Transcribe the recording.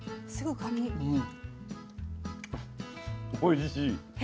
おいしい。